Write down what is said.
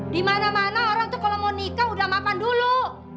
di mana mana orang tuh kalau mau nikah udah mapan dulu